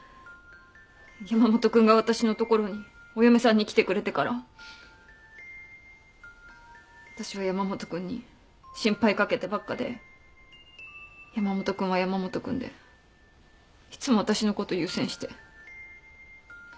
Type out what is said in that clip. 山本君が私の所にお嫁さんに来てくれてから私は山本君に心配かけてばっかで山本君は山本君でいつも私のこと優先して。